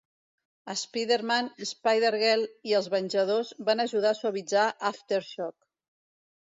Spider-Man, Spider-Girl i els Venjadors van ajudar a suavitzar Aftershock.